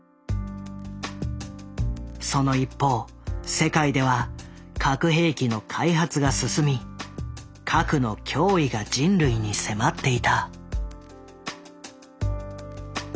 その一方世界では核兵器の開発が進み核の脅威が人類に迫っていた。